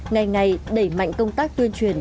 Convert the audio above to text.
ngày ngày đẩy mạnh công tác tuyên truyền